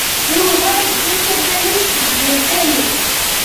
Yuba yedem tabalizt deg umekan-iw